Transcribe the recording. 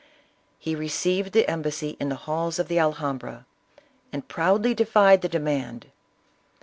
He received the embassy in the halls of the Alhambra, and proudly defied the demand.